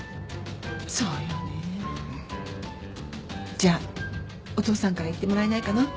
じゃあお父さんから言ってもらえないかな。